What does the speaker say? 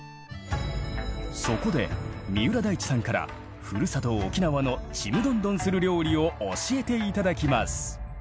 そこで三浦大知さんからふるさと沖縄のちむどんどんする料理を教えて頂きます！